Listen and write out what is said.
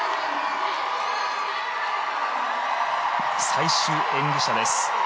最終演技者です。